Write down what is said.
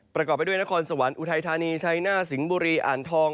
ประกอบไปด้วยนครสวรรค์อุทัยธานีชัยหน้าสิงห์บุรีอ่างทอง